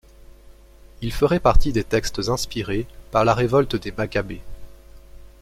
Il ferait partie des textes inspirés par la révolte des Maccabées.